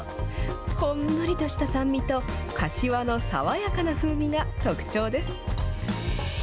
ほんのりとした酸味と、かしわの爽やかな風味が特徴です。